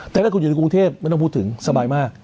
แต่ถ้าคุณอยู่ในกรุงเทพไม่ต้องพูดถึงสบายมาก